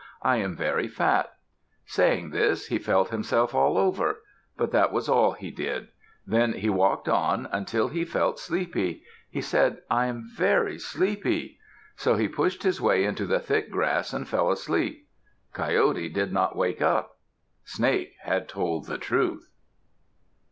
I am very fat." Saying this, he felt himself all over; but that was all he did. Then he walked on until he felt sleepy. He said, "I am very sleepy." So he pushed his way into the thick grass and fell asleep. Coyote did not wake up. Snake had told the truth.